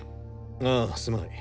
ああすまない。